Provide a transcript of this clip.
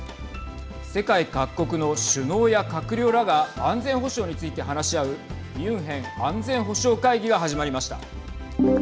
世界各国の首脳や閣僚らが安全保障について話し合うミュンヘン安全保障会議が始まりました。